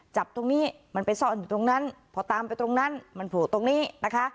จับตรงนี้มันไปซ่อนอยู่ตรงนั้นพอตามไปตรงนั้นมันโผล่ตรงนี้นะคะ